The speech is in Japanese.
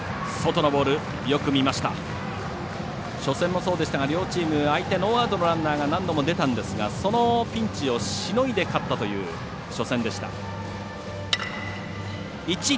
初戦もそうでしたが両チームノーアウトのランナーが何度も出たんですがそのピンチをしのいで勝ったという初戦でした。